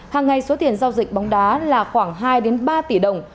hàng ngày số tiền giao dịch bóng đá là khoảng hai ba tỷ đồng